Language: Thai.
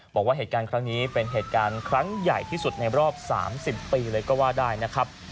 บอกว่าเหตุการณ์ครั้งนี้เป็นเหตุการณ์ครั้งใหญ่ที่สุดในรอบ๓๐ปีเลยก็ว่าได้นะครับ